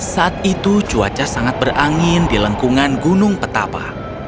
saat itu cuaca sangat berangin di lengkungan gunung petapa